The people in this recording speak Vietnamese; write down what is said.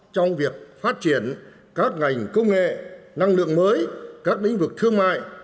trong việc phát triển các ngành công nghệ năng lượng mới các lĩnh vực thương mại